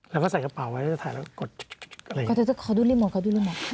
แล้วก็ใส่กระเป๋าไว้ถ่ายแล้วกดอะไรอย่างงี้ขอดูรีโมทขอดูรีโมท